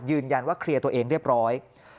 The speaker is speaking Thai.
ยืนยันว่าเคลียร์ตัวเองเรียบร้อย